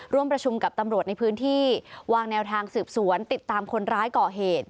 ร่วมประชุมกับตำรวจในพื้นที่วางแนวทางสืบสวนติดตามคนร้ายก่อเหตุ